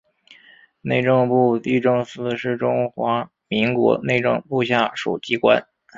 内政部地政司是中华民国内政部下属机关。